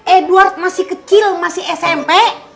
edward masih kecil masih smp